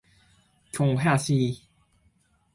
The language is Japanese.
今日は早く寝ないと。